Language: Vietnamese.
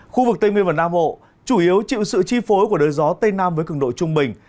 khu vực tây nguyên và nam bộ chủ yếu chịu sự chi phối của đới gió tây nam với cường độ trung bình